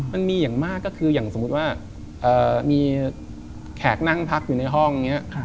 มันมีอย่างมากก็คืออย่างสมมุติว่ามีแขกนั่งพักอยู่ในห้องอย่างนี้